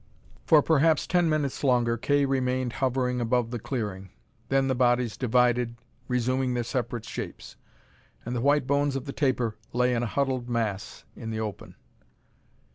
For perhaps ten minutes longer Kay remained hovering above the clearing. Then the bodies divided, resuming their separate shapes. And the white bones of the tapir lay in a huddled mass in the open.